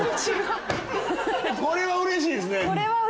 これは嬉しいですね。